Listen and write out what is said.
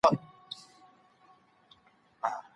ايا صادرات زيات سوي دي؟